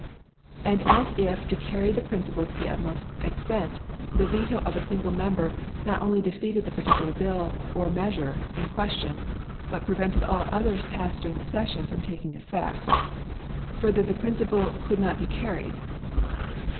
And as if to carry the principle to the utmost extent, the veto of a single member not only defeated the particular bill or measure in question, but prevented all others passed during the session from taking effect. Further the principle could not be carried.